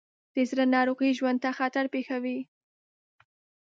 د زړه ناروغۍ ژوند ته خطر پېښوي.